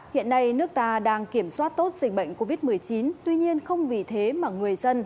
hiện nay nước ta đang kiểm soát tốt dịch bệnh covid một mươi chín tuy nhiên không vì thế mà người dân